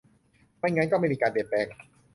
ไม่งั้นก็ไม่มีการเปลี่ยนแปลง